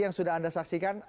yang sudah anda saksikan